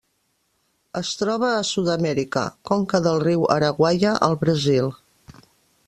Es troba a Sud-amèrica: conca del riu Araguaia al Brasil.